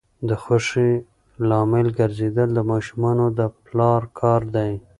د خوښۍ لامل ګرځیدل د ماشومانو د پلار کار دی.